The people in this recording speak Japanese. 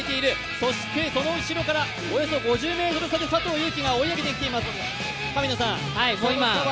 そしてその後ろからおよそ５０ｍ差で佐藤悠基が追い上げてきています、その差は。